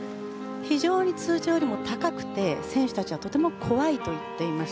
非常に通常よりも高くて選手たちはとても怖いと言っています。